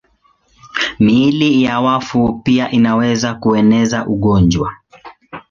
Miili ya wafu pia inaweza kueneza ugonjwa.